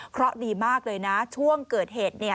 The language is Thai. เพราะดีมากเลยนะช่วงเกิดเหตุเนี่ย